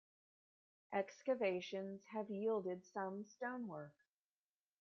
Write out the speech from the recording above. Excavations have yielded some stonework.